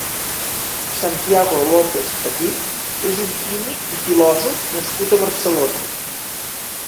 Santiago López Petit és un químic i filòsof nascut a Barcelona.